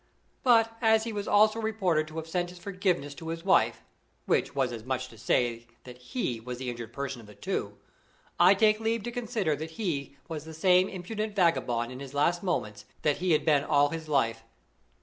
But as he was also reported to have sent his forgiveness to his wife which was as much as to say that he was the injured person of the two I take leave to consider that he was the same impudent vagabond in his last moments that he had been all his life.